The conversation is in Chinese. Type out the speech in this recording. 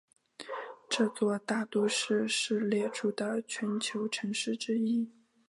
这座大都市是列出的全球城市之一。